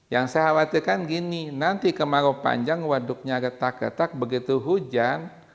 yang saya khawatirkan gini nanti kemarau panjang waduknya retak retak begitu hujan